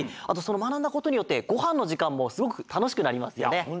あとそのまなんだことによってごはんのじかんもすごくたのしくなりますよね。